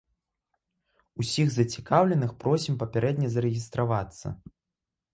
Усіх зацікаўленых просім папярэдне зарэгістравацца.